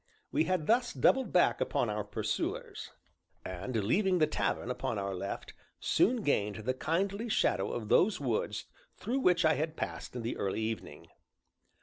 We had thus doubled back upon our pursuers, and, leaving the tavern upon our left, soon gained the kindly shadow of those woods through which I had passed in the early evening.